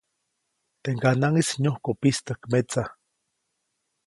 Teʼ ŋganaʼŋis nyujku pistäjk metsa.